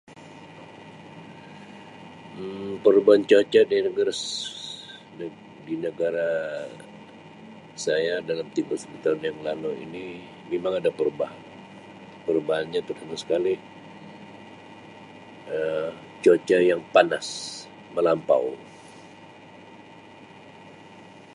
Um perubahan cuaca di negara, di negara saya dalam tempoh sepuluh tahun ini memang ada perubahan, perubahannya terutama sekali Um cuaca yang panas melampau.